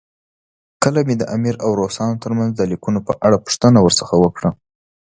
کله مې د امیر او روسانو ترمنځ د لیکونو په اړه پوښتنه ورڅخه وکړه.